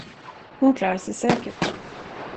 Hon klarar sig säkert.